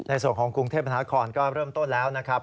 ในส่วนของกรุงเทพมหานครก็เริ่มต้นแล้วนะครับ